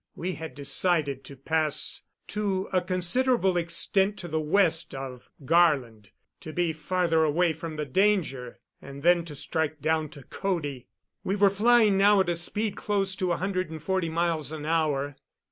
We had decided to pass to a considerable extent to the west of Garland, to be farther away from the danger, and then to strike down to Cody. We were flying now at a speed close to a hundred and forty miles an hour.